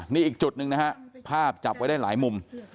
นี่อีกจุดหนึ่งนะฮะภาพจับไว้ได้หลายมุม